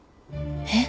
えっ？